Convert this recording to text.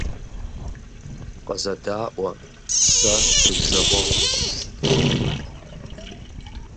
Къызэдаӏуэ, сэ сурижагъуэгъукъым.